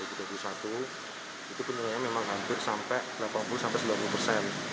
itu penurunannya memang hampir sampai delapan puluh sembilan puluh persen